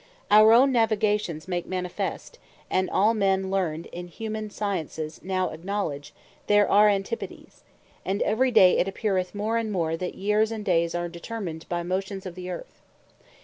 Our own Navigations make manifest, and all men learned in humane Sciences, now acknowledge there are Antipodes: And every day it appeareth more and more, that Years, and Dayes are determined by Motions of the Earth.